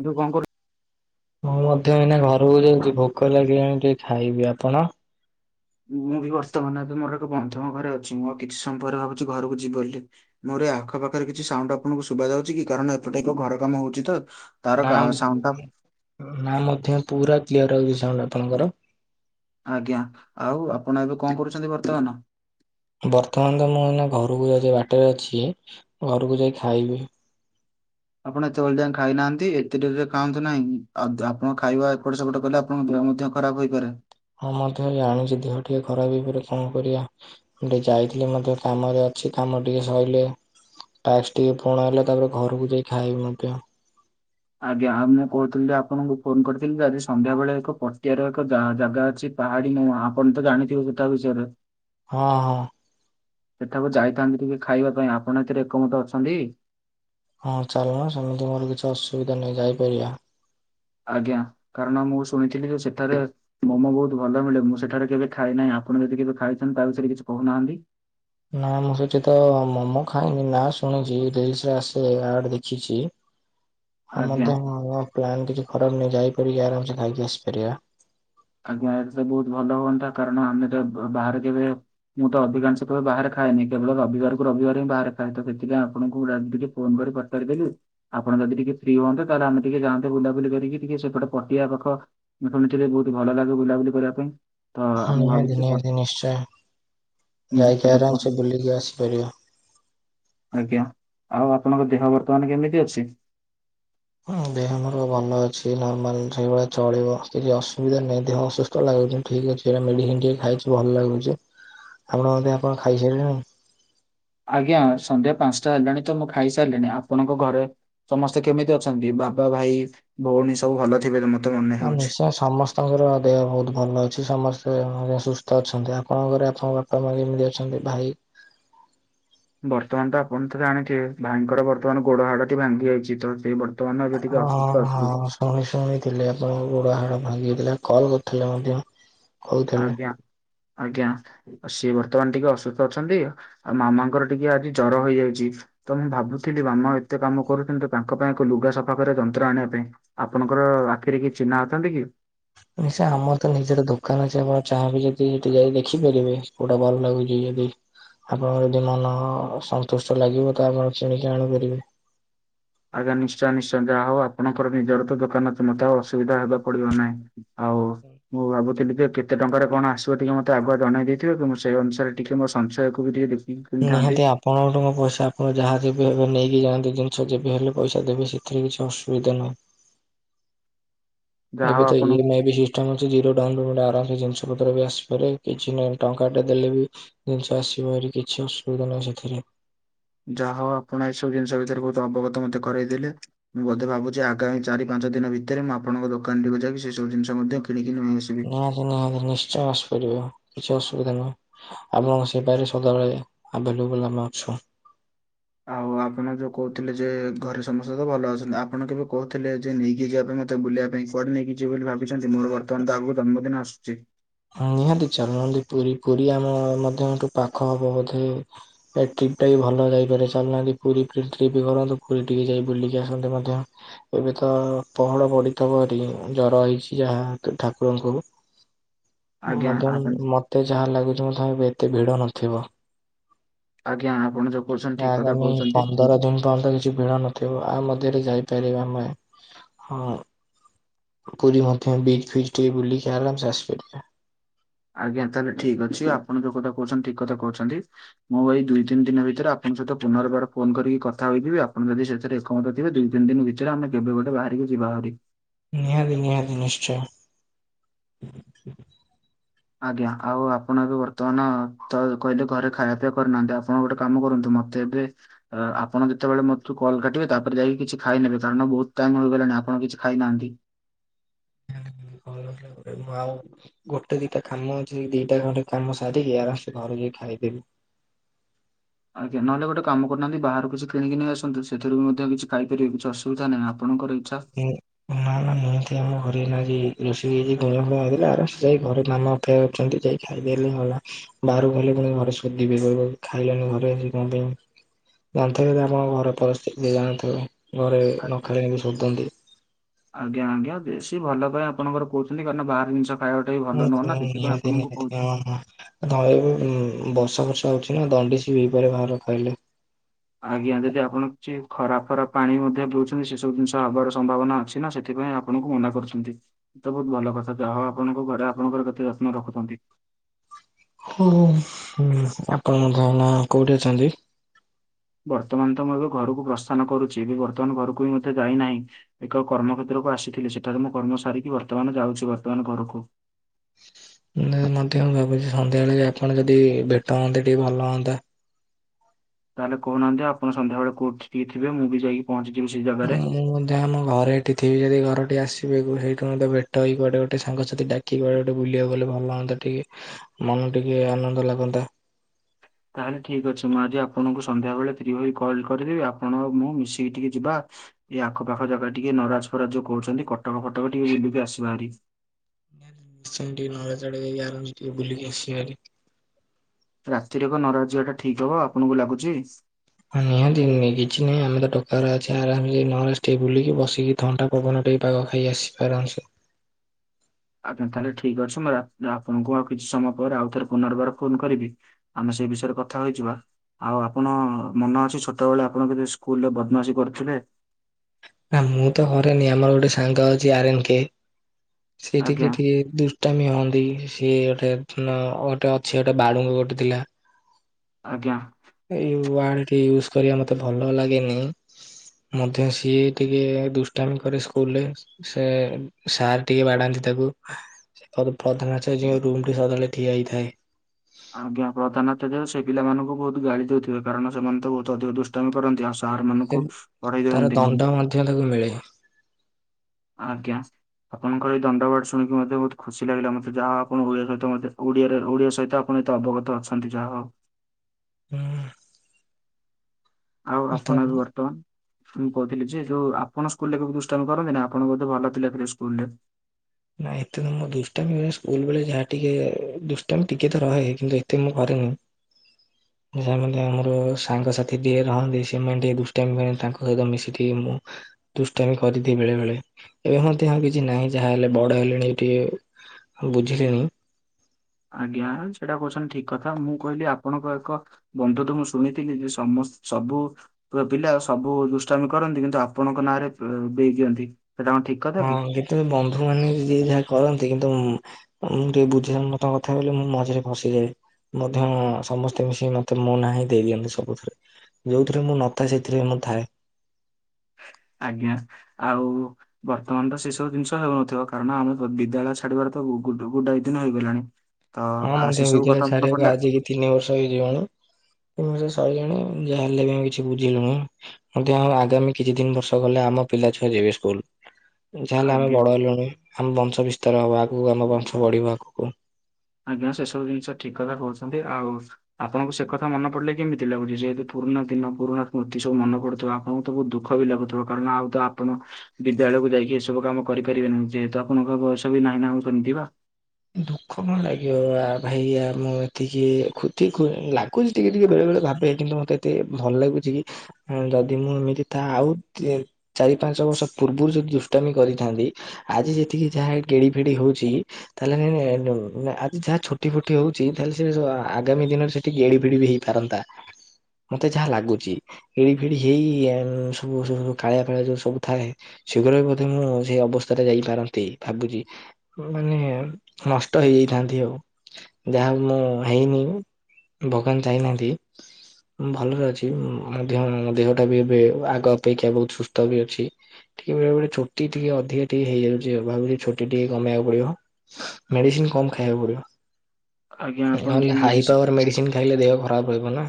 [unintelligible] କଣ କରୁ ମୁଁ ମତେ ଏଇନା ଘରକୁ ଯାଇଛି ଭୋକ ଲାଗିଲାଣି ଟିକେ ଖାଇବି, ଆପଣ? ମୁଁ ବି ବର୍ତ୍ତମାନ୍ ଏବେ ମୋର ଏକ ବନ୍ଧୁ ଘରେ ଅଛି ମୁଁ ଆଉ କିଛି ସମୟ ପରେ ଭାବୁଛି ଘରକୁ ଯିବି ବୋଲି। ମୋର ଏ ଆଖପାଖରେ କିଛି ସାଉଣ୍ଡ ଆପଣଙ୍କୁ ଶୁଭା ଯାଉଛି କି କାରଣ ଏପଟେ ଏକ ଘର କାମ ହଉଛି ତ। ତାର କା ସାଉଣ୍ଡ ଟା ନାଁ ନାଁ ମତେ ପୁରା କ୍ଲିୟର ଆଉଛି ଆପଣଙ୍କର। ଆଜ୍ଞା ଆଉ ଆପଣ ଏବେ କଣ କରୁଛନ୍ତି ବର୍ତ୍ତମାନ୍? ବର୍ତ୍ତମାନ୍ ତ ମୁଁ ଏଇନା ଘରକୁ ଯାଉଛି ବାଟରେ ଅଛି ଘରକୁ ଯାଇ ଖାଇବି। ଆପଣ ଏତେବେଳେ ଯାଇ ଖାଇନାହାନ୍ତି ଏତେ ଡେରିରେ ଖାଆୁ ନାହିଁ ଆଉ ଆପଣ ଖାଇବା ଏପଟେ ସେପଟ କଲେ ଆପଣ ଙ୍କ ଦେହ ମଧ୍ୟ୍ୟ ଖରାପ ହେଇପାରେ। ହଁ ମୁଁ ତ ଜାଣିଛି ଦେହ ଟିକେ ଖରାପ ହେଇପାରେ କଣ କରିବା। ମୁଁ ଟିକେ ଯାଇଥିଲି ମଧ୍ୟ କାମରେ ଅଛି କାମ ଟିକେ ସରିଲେ ଫାଷ୍ଟ ଟିକେ ଫୋନ୍ ଆଇଲେ ତା ପରେ ଘରକୁ ଯାଇ ଖାଇବି ମଧ୍ୟ୍ୟ। ଆଜ୍ଞା ଆମେ କହୁଥିଲୁ ଯେ ଆପଣଙ୍କୁ ଫୋନ୍ କରିଥିଲୁ ଆଜି ସନ୍ଧ୍ୟା ବେଳେ ଏକ ପଟିଆର ଏକ ଜା ଜାଗା ଅଛି। ପାହାଡି ନୁହଁ ଆପଣତ ଜାଣି ଥିବେ ତା ବିଷୟରେ। ହଁ ହଁ। ସେଠାକୁ ଯାଇଥାନ୍ତି ଟିକେ ଖାଇବା ପାଇଁ ଆପଣ ଏଥିରେ ଏକମତ ଅଛନ୍ତି? ହଁ ଚାଲୁନ ସେମିତି ମୋର କିଛି ଅସୁବିଧା ନାହିଁ ଯାଇପାରିଆ। ଆଜ୍ଞା କାରଣ ମୁଁ ଶୁଣିଥିଲି ଯେ ସେଠାରେ ମୋମୋ ବହୁତୁ ଭଲ ମିଳେ ମୁଁ ସେଠାରେ କେବେ ଖାଇନାହିଁ ଆପଣ ଯଦି କେବେ ଖାଇଛନ୍ତି ତା ବିଷୟରେ କିଛି କହୁନାହାନ୍ତି? ନାଁ ମୁଁ ସେଠି ତ ମୋମୋ ଖାଇନି ନାଁ ଶୁଣିଛି ରିଲିସ୍ ରେ ଆସେ ଆଡ୍ ଦେଖିଛି। ଆଉ ଆଜ୍ଞା ମଧ୍ୟ୍ୟ ପ୍ଲାନ୍ କିଛି ଖରାପ ନାହିଁ ଯାଇପାରିକି ଆରାମସେ ଖାଇକି ଆସିପାରିବା। ଆଜ୍ଞା ଏଟା ବହୁତ ଭଲ ହୁଅନ୍ତା କାରଣ ଆମେ ତ ବ ବାହାରେ କେବେ ମୁଁ ତ ଅଧିକାଂଶ କେବେ ବାହାରେ ଖାଏନି କେବଳ ରବିବାରକୁ ରବିବାର ହିଁ ବାହାରେ ଖାଏ ତ ସେଥିପାଇଁ ଆପଣଙ୍କୁ ରା ଟିକେ ଫୋନ୍ କରି ପଚାରିଦେଲି। ଆପଣ ଯଦି ଟିକେ ଫ୍ରି ହୁଅନ୍ତେ ତାହେଲେ ଆମେ ଟିକେ ଯାଆନ୍ତେ ବୁଲାବୁଲି କରିକି ଟିକେ ସେପଟେ ପଟିଆ ପାଖ ମୁଁ ଶୁଣିଥିଲି ବହୁତ ଭଲ ଲାଗେ ବୁଲାବୁଲି କରିବା ପାଇଁ। ତ ହଁ ମୁଁ ନିହାତି ଭାବୁଥିଲି ପ ନିହାତି ନିଶ୍ଚୟ ହୁଁ ଯାଇକି ସେପଟ ଆରାମ୍ ସେ ପଟ- ବୁଲିକି ଆସିପାରିବ। ଆଜ୍ଞା ଆଉ ଆପଣଙ୍କ ଦେହ ବର୍ତ୍ତମାନ୍ କେମିତି ଅଛି? ହୁଁ ଦେହ ମୋର ଭଲ ଅଛି ନର୍ମାଲ୍ ସେଇଭଳିଆ ଚଳିବ କିଛି ଅସୁବିଧା ନାହିଁ ଦେହ ଅସୁ ତ ଲାଗୁଛି ଠିକ୍ ଅଛି ଏଇଟା ମେଡିସିନ୍ ଟିକେ ଖାଇଛି ଭଲ ଲାଗୁଛି ଆପଣ ଦେ ଆପଣ ଖାଇ ସାରିଲେଣି? ଆଜ୍ଞା ସନ୍ଧ୍ୟା ପାଞ୍ଚଟା ହେଲାଣି ତ ମୁଁ ଖାଇ ସାରିଲିଣି ଆପଣଙ୍କ ଘରେ ସମସ୍ତେ କେମିତି ଅଛନ୍ତି ବାବା ଭାଇ ଭଉଣୀ ସବୁ ଭଲ ଥିବେ ତମ ଆଁ ନିଶ୍ଵାସ ସମସ୍ତଙ୍କର ଦେହ ବହୁତ ଭଲ ଅଛି ସମସ୍ତେ ସୁସ୍ଥ ଅଛନ୍ତି ଆପଣଙ୍କଘରେ ଆପଣଙ୍କ ତମର କେମିତି ଅଛନ୍ତି ଭାଇ ବର୍ତ୍ତମାନ ତ ଆପଣ ତ ଜାଣିଥିବେ ଭାଇଙ୍କର ବର୍ତ୍ତମାନ ଗୋଡ ହାଡ ଟି ଭାଙ୍ଗି ଯାଇଛି ତ ସେ ବର୍ତ୍ତ ତ ମାନେ ଏବେ ଟିକେ ହଁ ହଁ ଅସୁସ୍ଥ ଅଛି। ହଁ ଶୁଣି ଶୁଣିଥିଲି ଆପଣଙ୍କ ଗୋଡ ହାଡ ଭାଙ୍ଗି ଯାଇଥିଲା କଲ୍ କରିଥିଲେ ମଧ୍ୟ। କହୁଥିଲେ। ଆଜ୍ଞା ଆଜ୍ଞା ସିଏ ବର୍ତ୍ତମାନ ଟିକେ ଅସୁସ୍ଥ ଅଛନ୍ତି ଆଉ ମାମାଙ୍କର ଟିକେ ଆଜି ଜର ହେଇଯାଇଛି। ତ ମୁଁ ଭାବୁଥିଲି ବାମା ଏତେ କାମ କରୁ କିନ୍ତୁ ତାଙ୍କ ପାଇଁ ଏକ ଲୁଗା ସଫାକରିବା ଯନ୍ତ୍ର ଆଣିବା ପାଇଁ। ଆପଣଙ୍କର ଆଖିରେ କିଏ ଚିହ୍ନା ଅଛନ୍ତି କି? ନି ସା ଆମର ତ ନିଜର ଦୋକାନ ଅଛି ଆପଣ ଚାହାଁବେ ଯଦି ସେଠି ଯାଇ ଦେଖିପାରିବେ। କଉଟା ଭଲ ଲାଗୁଛି ଯଦି ଆପଣଙ୍କର ଯଦି ମନ ସନ୍ତୁଷ୍ଟ ଲାଗିବ ତ ଆପଣ କିଣିକି ଆଣିପାରିବେ। ଆଜ୍ଞା ନିଶ୍ଚୟ ନିଶ୍ଚୟ ଯାହା ହଉ ଆପଣଙ୍କର ନିଜର ତ ଦୋକାନ ତ ମତେ ଆଉ ଅସୁବିଧା ହେବା ପଡିବ ନାହିଁ। ଆଉ ମୁଁ ଭାବୁଥିଲି ଯେ କେତେ ଟଙ୍କାରେ କଣ ଆସିବ ଟିକେ ମୋତେ ଆଗୁଆ ଜଣେଇ ଦେଇଥିବେ କି ମୁଁ ସେଇ ଅନୁସାରେ ଟିକେ ମୋ ସଂସୟକୁ ବି ଟିକେ ଦେଖିବି। ନିହାତି ଆପ କଣ ଟଙ୍କା ପଇସା ଆପଣ ଯାହା ଯେବେ ହେବେ ନେଇକି ଯାଆନ୍ତି ଜିନିଷ ଯେବେ ହେଲେ ପଇସା ଦେବେ ସେଥିରେ କିଛି ଅସୁବିଧା ନାହିଁ। ଯାହା ହଉ ଏବେ ତ ଆପଣ ୟୁମିଆଇ ବିଶିଷ ଟ ଜିରୋ ଡାଉନ ପେମେଣ୍ଟ ଆରାମସେ ଜିନିଷପତ୍ର ବି ଆସିପାରେ କିଛି ନା ଟଙ୍କାଟା ଦେଲେ ବି ଜିନିଷ ଆସିବ ହେରି କିଛି ଅସୁବିଧା ନାହିଁ ସେଥିରେ। ଯାହା ହଉ ଆପଣ ଏଇସବୁ ଜିନିଷ ଭିତରେ ବହୁତ ଅବଗତ ମତେ କରଇଦେଲେ। ମୁଁ ବୋଧେ ଭାବୁଛି ଆଗାମୀ ଚାରି ପାଞ୍ଚ ଦିନ ଭିତରେ ମୁଁ ଆପଣଙ୍କ ଦୋକାନ କୁ ଯାଇକି ସେ ସବୁ ଜିନିଷ ମଧ୍ୟ କିଣିକି ନେଇ ଆସି ନିହାତି ନିହାତି ନିଶ୍ଚୟ ଆସିପାରିବେ କିଛି ଅସୁବିଧା ନୁହଁ। ଆପଣଙ୍କ ସେବାରେ ସଦାବେଳେ ଅଭେଲେବୁଲ ଆମେ ଅଛୁ। ଆଉ ଆପଣ ଯୋଉ କହୁଥିଲେ ଯେ ଘରେ ସମସ୍ତେ ତ ଭଲ ଅଛନ୍ତି ଆପଣ କେବେ କହୁଥିଲେ ଯେ ନେଇକି ଯିବା ପାଇଁ ମତେ ତତେ ବୁଲିବା ପାଇଁ କୁଆଡେ ନେଇ କିଛି ବୋଲି ଭାବୁଛନ୍ତି ମୋର ବର୍ତ୍ତମାନ ତ ଆଗକୁ ଜନ୍ମଦିନ ଆସୁଛି। ହଁ ନିହାତି ଚାଲୁନାହାନ୍ତି ପୁରୀ ପୁରୀ ଆମ ମଧ୍ୟ ଏଠୁ ପାଖ ହବ ବୋଧେ ଏ ଟ୍ରିପ୍ ଟା ବି ଭଲ ଯାଇପାରେ ଚାଲନାହାନ୍ତି ପୁରୀ ଟ୍ରିପ୍ କରନ୍ତୁ ପୁରୀ ଟିକେ ଯାଇ ବୁଲିକି ଆସନ୍ତେ ମଧ୍ୟ। ଏବେ ତ ପହଡ଼ ପଡିଥିବରେ ଜର ହେଇଛି ଯାହା ଠାକୁରଙ୍କୁ। ଆଜ୍ଞା ମଧ୍ୟ ଆପଣ ମତେ ଯାହା ଲାଗୁଛି ମଧ୍ୟ ଏବେ ଏତେ ଭିଡ ନଥିବ। ଆଜ୍ଞା ଆପଣ ଯୋଉ କହୁଛନ୍ତି ଠିକ କଥା ଆଗାମୀ କହୁଛନ୍ତି। ପନ୍ଦର ଜୁନ ପନ୍ଦ କିଛି ଭିଡ଼ ନଥିବ ଆ ମଧ୍ୟରେ ଯାଇପାରିବା ଆମେ ହଁ। ପୁରୀ ମଧ୍ୟ ବିଚ ଫି ଟିକେ ବୁଲିକି ଆରାମସେ ଆସିପାରିବା। ଆଜ୍ଞା ତାହେଲେ ଠିକ ଅଛି ଆପଣ ଯୋଉ କଥା କହୁଛନ୍ତି ଠିକ କଥା କହୁଛନ୍ତି। ମୁଁ ଭାଇ ଦୁଇ ତିନି ଦିନ ଭିତରେ ଆପଙ୍କ ସହିତ ପୁନର୍ବାର ଫୋନ କରିକି କଥା ହୋଇଯିବି ଆପଣ ଯଦି ସେଥିରେ ଏକମତ ଥିବେ ଦୁଇ ତିନି ଦିନ ଭିତରେ ଆମେ କେବେ ଗୋଟେ ବାହାରିକି ଯିବା ଭାରି। ନିହାତି ନିହାତି ନିଶ୍ଚୟ। ଆଜ୍ଞା ଆଉ ଆପଣ ଏବେ ବର୍ତ୍ତମାନ ତ କହିଲେ ଘରେ ଖାଇବା ପିଇବା କରିନାହାନ୍ତି ଆପଣ ଗୋଟେ କାମ କରନ୍ତୁ ମତେ ତେବେ ଅଁ ଆପଣ ଯେତେବେଳେ ମୋତୁ କଲ୍ କାଟିବେ ତାପରେ ଯାଇକି କିଛି ଖାଇ ନେବେ କାରଣ ବହୁତ ଟାଇମ ହୋଇଗଲାଣି ଆପଣ କିଛି ଖାଇନାହାନ୍ତି। କଣ ହେଲେ ମୁଁ ଆଉ ଗୋଟେ ଦିଟା କାମ ଅଛି ଦିଟା ଖଣ୍ଡେ କାମ ସାରିକି ଆରାମ ସେ ଘରେ ଯାଇ ଖାଇଦେବି। ଆଜ୍ଞା ନହେଲେ ଗୋଟେ କାମ କରୁନାହାନ୍ତି ବାହାର କିଛି କିଣିକି ନେଇ ଆସନ୍ତୁ ସେଥିରୁ ବି ମଧ୍ୟ କିଛି ଖାଇପାରିବ କିଛି ଅସୁବିଧା ନାହିଁ ଆପଣଙ୍କର ଇ ହୁଁ। ହ ଏମତି ଆମ ଘରେ ରୋଷେଇ ବି ହେଇଥିଲା ଆରାମସ ଯାଇ ଘରେ ମାମା ଅପେକ୍ଷା କରଛନ୍ତି ଯାଇ ଖାଇଦେଲେ ହେଲା ବାହାରକୁ ଗଲେ ପୁଣି ସୋଦିବେ କହିବ ଖାଇଲା ବେଳେ ଘରେ କଣ ପାଇଁ ଜାଣିଥିବ ଯଦି ଆପଣ ଘରେ ପରିସ୍ଥିତି ଜାଣିଥିବ ଘରେ ନ ଖାଇଲେ ଶୋଦନ୍ତି। ଆଜ୍ଞା ଆଜ୍ଞା ବେଶୀ ଭଲ ପାଇଁ ଆପଣଙ୍କର କହୁଛନ୍ତି କାହିଁକି ନା ବାହାର ଜିନିଷ ଖାଇବାଟା ବି ହୁଁ, ଭଲ ନୁହଁ ହୁଁ, ନା ସେଥିପାଇଁ ନିହାତି ଆପଣଙ୍କୁ ନିହାତି କହୁଚନ୍ତି। ହଁ ହଁ ଏବେ ବର୍ଷା ବର୍ଷା ହଉଛି ନା ଦଣ୍ଡିସ ବି ହେଇପାରେ ବାହାର ଖାଇଲେ। ଆଜ୍ଞା ଯଦି ଆପଣ କିଛି ଖରାପ ଖରାପ ପାଣି ମଧ୍ୟ ପିଉଛନ୍ତି ସେ ସବୁ ଜିନିଷ ହବାର ସମ୍ଭାବନା ଅଛି ନା ସେଥିପାଇଁ ଆ ଆପଣଙ୍କୁ ମନା କରୁଛନ୍ତି। ତ ବହୁତ ଭଲ କଥା ଯାହା ହଉ ଆପଣଙ୍କ ଘରେ ଆପଣଙ୍କର କେତେ ଯତ୍ନ ରଖୁଛନ୍ତି। ହୋ ହୁଁ ଆପଣ ମଧ୍ୟ ଏଇନା କୋଉଠି ଅଛନ୍ତି? ବର୍ତ୍ତମାନ ତ ମୁଁ ଏବେ ଘରକୁ ପ୍ରସ୍ଥାନ କରୁଛି ଏବେ ବର୍ତ୍ତମାନ ଘରକୁ ବି ମୁଁ ଯାଇନାହିଁ ଏକ କର୍ମକ୍ଷେତ୍ରକୁ ଆସିଥିଲି ସେଠାରେ ମୁଁ କର୍ମ ସାରିକି ବର୍ତ୍ତମାନ ଯାଉଛି ବର୍ତ୍ତମାନ ଘରକୁ। ନା ମଧ୍ୟ ମୁଁ ଭାବୁଛି ସନ୍ଧ୍ୟାବେଳେ ଆପଣ ଯଦି ଭେଟ ହନ୍ତେ ଟିକେ ଭଲ ହନ୍ତା। ତାହେଲେ କହୁନାହାନ୍ତି ଆପଣ ସନ୍ଧ୍ୟାବେଳେ କୋଉଠିିକି ଥିବେ ମୁଁ ବି ଯାଇ ପହଞ୍ଚି ଜିବି ସେଇ ଜାଗାରେ। ମୁଁ ମଧ୍ୟ ଆମ ଘରେ ଏଠିଥିବି ଯଦି ଘରଟିି ଆସିବେ ହେଉଠୁ ମୋତେ ଭେଟ ହେଇକି କୁଆଡ଼େ ଗୋଟେ ସାଙ୍ଗସାଥୀ ଡାକି କିଆଡ଼େ ଗୋଟେ ବୁଲିବାକୁ ଗଲେ ଭଲ ହନ୍ତା ଟିକେ ମନ ଟିକେ ଆନନ୍ଦ ଲାଗନ୍ତା। ତାହେଲେ ଠିକ ଅଛି ମୁଁ ଆଜି ଆପଣଙ୍କୁ ସନ୍ଧ୍ୟା ବେଳେ ଫ୍ରି ହୋଇ କଲ କରିଦେବି ଆପଣ ମୁଁ ମିଶିକି ଟିକେ ଯିବା ଏଇ ଆଖ ପାଖ ଜାଗା ଟିକେ ନରାଜ ଫରାଜ ଯୋଉ କହୁଛନ୍ତି କଟକ ଫଟକ ଟିକେ ବୁଲିକି ଆସିବା ଭାରି। ସେଣ୍ଡି ନରାଜ ଆଡ଼େ ଯାଇକି ଆରମ୍ ସେ ଟିକେ ବୁଲିକି ଆସିବା ଭାରି। ରାତିରେ କଣ ନରାଜ ଜିବାଟା ଠିକ ହବ ଆପଣଙ୍କୁ ଲାଗୁଚି? ହଁ ନିହାତି କିଛି ନାହିଁ ଆମେ ତ ଟୋକା ଗୁରା ଅଛେ ଆରାମ ରେ ନାରାଜ ବୁଲିକି ବସିକି ଥଣ୍ଡା ପବନ ଟେ ପାଗ ଖାଇ ଆସି ଆରାମ ସେ। ଆଜ୍ଞା ତାହେଲେ ଠିକ ଅଛି ମୁଁ ଆପଣଙ୍କୁ ଆଉ କିଛି ସମୟ ପରେ ଆଉ ଥରେ ପୁନର୍ବାର ଫୋନ କରିବି। ଆମେ ସେଇ ବିଷୟରେ କଥା ହୋଇଯିବା। ଆଉ ଆପଣ ମନ ଅଛି, ଛୋଟ ବେଳେ ଆପଣଙ୍କ ବି ସ୍କୁଲ ରେ ବଦମାସି କରିଥିଲେ? ନାଁ, ମୁଁ ତ ହରେନି। ଆମର ଗୋଟେ ସାଙ୍ଗ ଅଛି ଆରର୍ନ କେ ସେ ଆଜ୍ଞା ଟିକେ ଟିକେ ଦୁର୍ ଅଷ୍ଟାମୀ ହୁଅନ୍ତି ସିଏ, ଗୋଟେଏ ଥିଲା, ଗୋଟିଏ ଅଛି, ଗୋଟିଏ ବାଲୁଙ୍ଗା ଗୋଟେଏ ଥିଲା। ଆଜ୍ଞା। ଏଇ ୱାର୍ଡଟି ୟୁଜ କରିବା ମତେ ଭଲ ଲାଗେନି, ମଧ୍ୟ ସିଏ ଟିକେ ଦୁଷ୍ଟାମି କରେ ସ୍କୁଲରେ। ସେ ସାର୍ ଟିକେ ବାଡାନ୍ତି ତାକୁ। ସେକରେ ପ୍ରଧାନ ଆଚ଼ର୍ଯ୍ୟ ରୁମ୍ ସଦାବେଳେ ଠିଆ ହେଇଥାଏ। ଆଜ୍ଞା, ପ୍ରଧାନ ଆଚାର୍ଯ୍ୟ ସେ ପିଲାମାନଙ୍କୁ ବହୁତ୍ ଗାଳି ଦେଉଥିବେ। କାରଣ ସେମାନେ ତ ବହୁତ ଅଧିକ ଦୁଷ୍ଟମି କରନ୍ତି। ଆସ୍ ତାର୍ ସେ ମାନଙ୍କୁ ପଢେଇ ତାର ଦିଅନ୍ତି ଦଣ୍ଡ ନାହିଁ। ମଧ୍ୟ ତାକୁ ଭୁଲ୍ ଲାଗେ। ଆଜ୍ଞା। ଆପଣଙ୍କର ଏଇ ଦଣ୍ଡା ୱାର୍ଡ ଶୁଣିକି ମତେ ବହୁତ ଖୁସି ଲାଗିଲା। ମତେ ଯାହା ଆପଣ ଓଳିଆ କଥା, ମତେ ଓଡିଆ ରେ ଓଡିଆ ସହିତ। ଆପଣ ତ ଅବଗତ ଅଛନ୍ତି, ଯାହାହଉ। [inaudible] ଆଉ ଏଇଟା ଆପଣ ବି ବର୍ତ୍ତମାନ ମୁଁ କହୁଥିଲି ଯେ ଯୋଉ ଆପଣ ସ୍କୁଲରେ ବି ଦୁଷ୍ଟାମୀ କରନ୍ତି ନାଁ, ଆପଣ ବୋଧେ ଭଲ ଥିଲେ ସ୍କୁଲରେ। ନାଁ, ଏତେ ଜଣ ଦୁଷ୍ଟାମି ସ୍କୁଲ ବେଳେ ଯାହା, ଟିକେ ଦୁଷ୍ଟାମୀ ଟିକେ ତ ରହେ, କିନ୍ତୁ ଏତେ ମୁଁ କରେନି। ଯେମିତି ଆମର ସାଙ୍ଗସାଥି ଟିଏ ରହନ୍ତି। ସେମାନେ ଟିକେ ଦୁଷ୍ଟାମି, ତାଙ୍କ ସହିତ ମିଶି ମୁଁ ଦୁଷ୍ଟାମି କରିଦିଏ ବେଳେ ବେଳେ, ଏବେ ହଁ କିଛି ନାହିଁ ଯାହା ହେଲେ। ବଡ଼ ହେଲେଣି ଏଠି ବୁଝିଲେଣିି। ଆଜ୍ଞା, ସେଟା କହୁଛନ୍ତି ଠିକ୍ କଥା। ମୁଁ କହିଲି ଆପଣଙ୍କ ଏକ ବନ୍ଧୁ ତ ମୁଁ ଶୁଣିଥିଲି ଯେ ସମସ୍ତ ସବୁ ପିଲା ସବୁ ଦୁଷ୍ଟାମି କରନ୍ତି, କିନ୍ତୁ ଆପଣଙ୍କ ନାଁରେ ଦେଇ ଦିଅନ୍ତି। ସେଟା କଣ ଠିକ୍? ହଁ, କେତେବେଳେ ବନ୍ଧୁ ମାନେ ଯିଏ ଯାହା କରନ୍ତି, କିନ୍ତୁ? ମୁଁ ଟିକେ ବୁଝେନି ତାଆ କଥା ବଲେ ମୁଁ ମଝିରେ ଫସିଯାଏ। ମଧ୍ୟଁ ସମସ୍ତେ ମିଶିକି ମତେ ମନା ହିିଁ ଦେଇ ଦିଅନ୍ତି ସବୁଥିରେ। ଯଉଥିରେ ମୁଁ ନଅଁ ଥାଏ, ସେଥିରେ ମୁଁ ଥାଏ। ଆଜ୍ଞା, ଆଉ ବର୍ତ୍ତମାନ ତ ସେ ସବୁ ଜିନିଷ ହେଉନଥିବ, କାରଣ ଆମେ ବିଦ୍ୟାଳୟ ଛାଡିବାର ତ [unintelligible] ଗୁଡ଼ାଏ ଦିନ ହେଇଗଲାଣି। ହଁ, ମଧ୍ୟ ଆସି ସବୁ ବିଦ୍ୟାଳୟ କଥା ମନ ଛାଡିବାକୁ ପଡିଲେ ଆଜିକି ତିନି ବର୍ଷ ହୋଇଯିବଣି, ତିନି ବର୍ଷ ସଇଲାଣି, ଯାହା ହେଲେ ବି ଆମେ କିଛି ବୁଝିଲୁନୁ। ବୋଧେ ଆଉ ଆଗାମୀ କିଛି ଦିନ ବର୍ଷ ଗଲେ ଆମ ପିଲା ଛୁଆ ଯିବେ ସ୍କୁଲ। ଯାହାହେଲେ ଆମେ ଆଜ୍ଞା ବଡ ହେଲୁଣି, ଆମ ବଂଶ ବିସ୍ତାର ହବ ଆଗକୁ, ଆମ ବଂଶ ବଢିବକୁ। ଆଜ୍ଞା! ସେ ସବୁ ଜିନିଷ ଠିକ୍ କଥା କହୁଛନ୍ତି ଆଉ ଆପଣଙ୍କୁ ସେ କଥା ମନ ପଡିଲେ କେମିତି ଲାଗୁଚି, ଯେହେତୁ ପୁରୁଣା ଦିନ, ପୁରୁଣା ସ୍ମୃତି ସବୁ ମନ ପଡୁିଥିବ? ବହୁତ୍ ବହୁତ ଦୁଃଖ ବି ଲାଗୁଥିବ, କାରଣ ଆଉ ତ ଆପଣ ବିଦ୍ୟାଳୟକୁ ଯାଇକି ଏସବୁ କାମ କରିପାରିବେ ନି ଯେହେତୁ ଆପଣଙ୍କ ବୟସ ବି ନାହିଁ ନାଁ [unintelligible] ଦୁଃଖ କଣ ଲାଗିବ ଆଁ ଭାଇ, ଆମ ଏତିକି ଖୁତି [unintelligible] ଲାଗ୍ ସ୍କୁଲ ଟିକେ ଟିକେ ବେଳେ ବେଳେ ଭାବେ, କିନ୍ତୁ ମତେ ଏତେ ଭଲ ଲାଗୁଚି ହୁଁ, ଯଦି ମୁଁ ଏମିତି ଥାଉ [unintelligible] ଚାରି ପାଞ୍ଚ ବର୍ଷ ପୂର୍ବୁରୁ ଯଦି ଦୁଷ୍ଟାମି କରିଥାନ୍ତି। ଆଜି ଯେତିକି ଯାହା ଗେଡି ଫେଡି ହଉଚି ତାଲେ [unintelligible] ନାଁ, ଆଜି ଯାହା ଛୁଟି ଫୁଟି ହଉଛି, ତାହେଲେ ସେ ସବୁ ଆଗାମୀ ଦିନରେ ସେ ଟିକେ [unintelligible] ବି ହେଇପାରନ୍ତା, ମତେ ଯାହା ଲାଗୁଛି ହିଡି ଫିଡି ହେଇ ସବୁୁ ସବୁ କାଳିଆ କାଳିଆ ଯୋଉ ସବୁ ଥାଏ ସେଗୁଡା ବି ବୋଧେ ମୁଁ ସେଇ ଅବସ୍ଥାରେ ଯାଇପାରନ୍ତି ଭାବୁଛି, ମାନେ ନଷ୍ଟ ହେଇଯାଇଥାନ୍ତି ଆଉ। ଯାହା ମୁଁ ହେଇନି ଭଗବାନ ଚାହିନାହାନ୍ତି। ମୁଁ ଭଲରେ ଅଛି, ମୋ ଦେହ ମୋ ଦେହଟା ବି ଏବେ ଆଗ ଅପେକ୍ଷା ବହୁତ ସୁସ୍ଥ ବି ଅଛି। ଟିକେ ବେଳେବେଳେ ଛୁଟି ଟିକେ ଅଧିକା ଟିକେ ହେଇଯାଉଛି, ଭାବୁଛି ଛୁଟି ଟିକେ କମେଇବାକୁ ପଡିବ। ମେଡିସିନ କମ୍ ଖାଇବାକୁ ପଡିବ, ଆଜ୍ଞା ଆପଣ ଟିକେ ନହେଲେ ହାଇ ମେଡିସିନ ପାୱାର ମେଡିସିନ ଖାଇଲେ ଦେହ ଖରାପ ରହିବ ନା।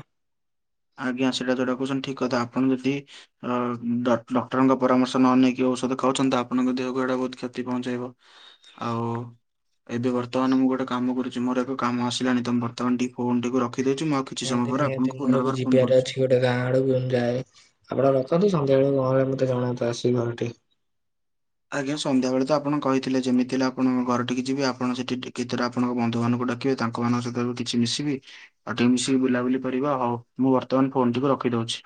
ଆଜ୍ଞା ସେଇଟା ଯୋଉଟା କହୁଛନ୍ତି ଠିକ୍ କଥା, ଆପଣ ଯଦି ଅ ଡକ ଡକ୍ଟରଙ୍କ ପରାମର୍ଶ ନ ନେଇକି ଔଷଧ ଖାଉଛନ୍ତି, ତ ଆପଣଙ୍କ ଦେହକୁ ଏଇଟା ବହୁତ କ୍ଷତି ପହଞ୍ଚାଇବ। ଆଉ। ଏବେ ବର୍ତ୍ତମାନ ମୁଁ ଗୋଟେ କାମ କରୁଛି, ମୋର ଏକ କାମ ଆସିଲାଣି ତ। ବର୍ତ୍ତମାନ ଟିକେ ଫୋନ ଟିକୁ ରଖିଦଉଛି ମୁଁ ଆଉ କିଛି ସମୟ ପରେ ଆପଣଙ୍କୁ ପୁନର୍ବାର ଫୋନ କରୁଛି ଇଆଡେ ଅଛି ଗୋଟେ ଗାଁ ଆଡକୁ ଯାଏ, ଆପଣ ରଖନ୍ତୁ ସନ୍ଧ୍ୟାବେଳକୁ ଘରେ ମତେ ଜଣାନ୍ତୁ ଆସି ଘରଠି। ଆଜ୍ଞା ସନ୍ଧ୍ୟାବେଳେ ତ ଆପଣ କହିଥିଲେ, ଯେମିତି ହେଲେ ଆପଣ ଘରଠିକି ଯିବି। ଆପଣ ସେଠିି କେତୁଟା ଆପଣଙ୍କ ବନ୍ଧୁ ମାନଙ୍କୁ ଡାକିବେ ତାଙ୍କ ମାନଙ୍କ ସହିତ କିଛି ମିଶିବି। ଆଉ ଟିକେ ମିଶିକି ବୁଲାବୁଲି କରିବା ଆଉ। ହଉ ମୁଁ ବର୍ତ୍ତମାନ ଫୋନ ଟିକୁ ରଖି ଦଉଛି।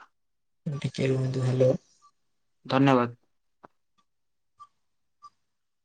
ଟିକେ ରୁହନ୍ତୁ, ହ୍ୟାଲୋ। ଧନ୍ୟବାଦ।